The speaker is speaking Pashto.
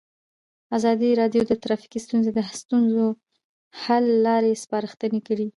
ازادي راډیو د ټرافیکي ستونزې د ستونزو حل لارې سپارښتنې کړي.